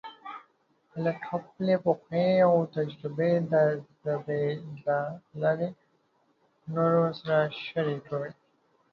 خلک خپلې پوهې او تجربې د ژبې له لارې نورو سره شریکوي.